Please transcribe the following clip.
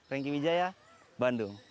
rengki mijaya bandung